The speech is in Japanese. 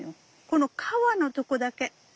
この皮のとこだけ。